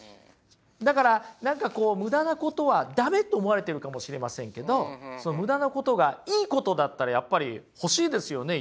だから何かこうムダなことは駄目と思われてるかもしれませんけどムダなことがいいことだったらやっぱり欲しいですよね？